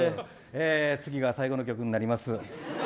次が最後の曲になります。